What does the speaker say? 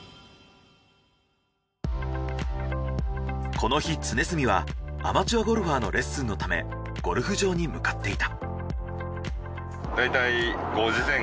この日常住はアマチュアゴルファーのレッスンのためゴルフ場に向かっていた。